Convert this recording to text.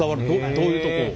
どういうとこを？